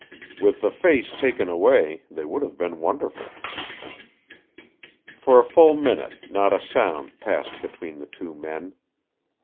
With the face taken away they would have been wonderful. For a full minute not a sound passed between the two men.